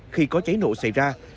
khi có trái nổ xảy ra